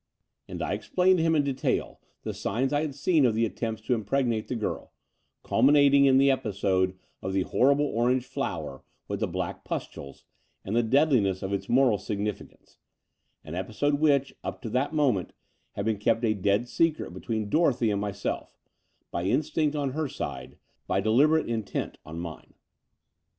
And I explained to him in detail the signs I had seen of the attempts to impr^^nate the girl, cul minating in the episode of the horrible orange flower with the black pustules and the deadliness of its moral significance — ^an episode which, up to that moment, had been kept a dead secret between Dorothy and mjrself , by instinct on her side, by deliberate intent on mine.